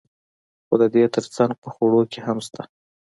خو د دې ترڅنګ په خوړو کې هم شته.